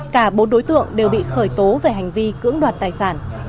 cả bốn đối tượng đều bị khởi tố về hành vi cưỡng đoạt tài sản